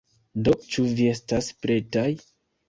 Do, ĉu vi estas pretaj?